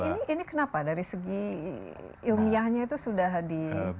tapi ini kenapa dari segi ilmiahnya itu sudah ditelusuri